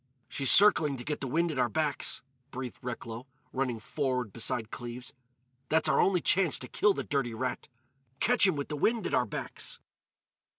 "She's circling to get the wind at our backs," breathed Recklow, running forward beside Cleves. "That's our only chance to kill the dirty rat—catch him with the wind at our backs!"